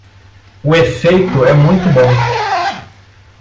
O efeito é muito bom